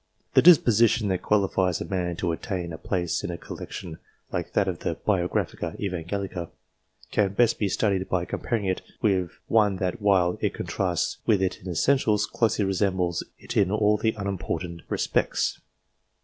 The disposition that qualifies a man to attain a place in a collection like that of the " Biographia Evangelica," can best be studied by comparing it with one that, while it contrasts with it in essentials, closely resembles it in all unimportant respects.